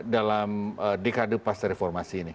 dalam dekade pas reformasi ini